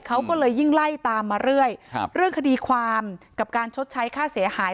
เขาก็เลยยิ่งไล่ตามมาเรื่อยครับเรื่องคดีความกับการชดใช้ค่าเสียหาย